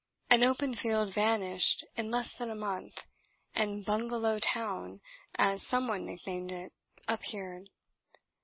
An open field vanished in less than a month, and "Bungalow Town" (as someone nicknamed it) appeared.